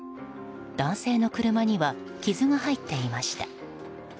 男性の車には傷が入っていました。